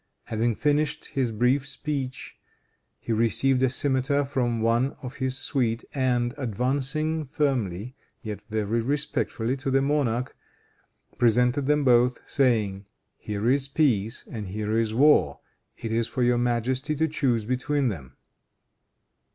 Having finished his brief speech, he received a cimeter from one of his suite, and, advancing firmly, yet very respectfully, to the monarch, presented them both, saying, "Here is peace and here is war. It is for your majesty to choose between them."